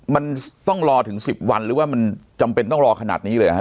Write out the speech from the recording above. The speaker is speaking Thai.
มันต้องรอถึง๑๐วันหรือว่ามันจำเป็นต้องรอขนาดนี้เลยเหรอครับ